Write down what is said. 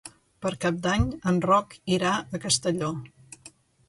Per Cap d'Any en Roc irà a Castelló.